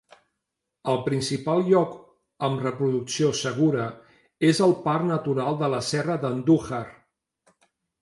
El principal lloc amb reproducció segura és al Parc Natural de la Serra d'Andújar.